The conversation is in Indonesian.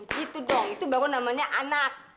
gitu dong itu baru namanya anak